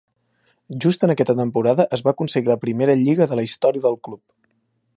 Just en aquesta temporada es va aconseguir la primera Lliga de la història del club.